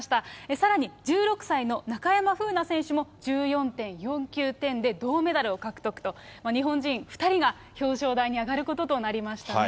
さらに１６歳の中山楓奈選手も１４．４９点で銅メダルを獲得と、日本人２人が表彰台に上がることとなりましたね。